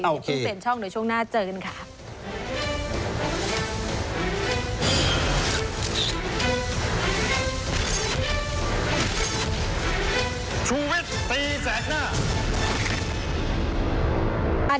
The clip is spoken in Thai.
โอเคคิดเสร็จช่องเดี๋ยวช่วงหน้าเจอกันค่ะ